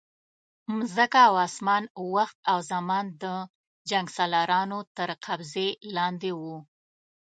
مځکه او اسمان، وخت او زمان د جنګسالارانو تر قبضې لاندې وو.